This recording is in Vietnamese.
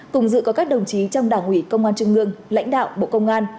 cùng dự có các đồng chí trong đảng ủy công an trung ương lãnh đạo bộ công an